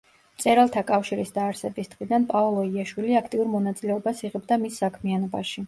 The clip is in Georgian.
მწერალთა კავშირის დაარსების დღიდან პაოლო იაშვილი აქტიურ მონაწილეობას იღებდა მის საქმიანობაში.